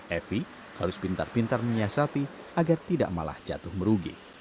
evi harus pintar pintar menyiasati agar tidak malah jatuh merugi